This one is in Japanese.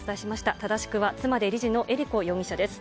正しくは、妻で理事の恵理子容疑者です。